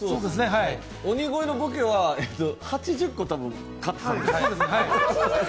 鬼越のボケは８０個多分カットです。